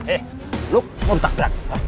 eh lo mau kita berang